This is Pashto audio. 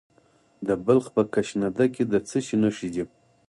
د بلخ په کشنده کې د څه شي نښې دي؟